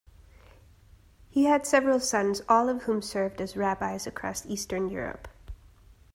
He had several sons; all of whom served as rabbis across Eastern Europe.